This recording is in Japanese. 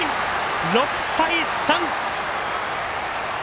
６対３！